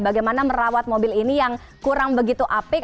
bagaimana merawat mobil ini yang kurang begitu apik